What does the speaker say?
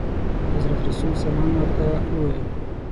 حضرت رسول صلعم ورته وویل.